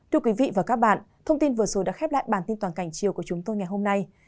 cảm ơn các bạn đã theo dõi và ủng hộ cho bản tin toàn cảnh chiều của chúng tôi ngày hôm nay